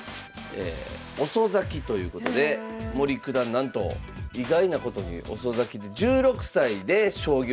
遅咲きということで森九段なんと意外なことに遅咲きで１６歳で将棋を始めた。